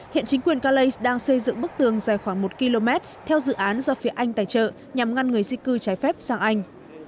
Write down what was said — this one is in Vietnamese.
hiện chính quyền calais đang xây dựng bức tường dài khoảng một km theo dự án do phía anh tài trợ nhằm ngăn người di cư trái phép sang anh